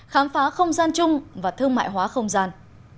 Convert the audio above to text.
khám phá không gian chung và thương mại hóa không gian